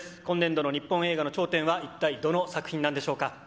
今年度の日本映画の頂点は、一体どの作品なんでしょうか。